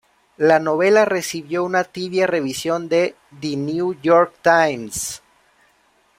La novela recibió una tibia revisión de "The New York Times".